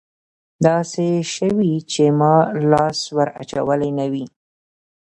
داسې شوي چې ما لاس ور اچولى نه وي.